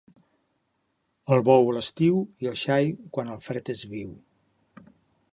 El bou a l'estiu i el xai quan el fred és viu.